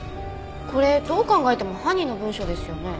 これどう考えても犯人の文章ですよね。